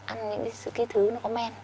ăn những cái thứ nó có men